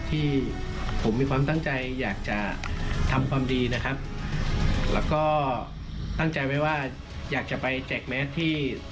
ที่ผมมีความตั้งใจอยากจะทำความดีนะครับแล้วก็ตั้งใจไว้ว่าอยากจะไปแจกแมสที่